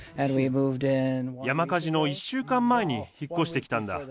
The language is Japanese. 山火事の１週間前に引っ越してきたんだ。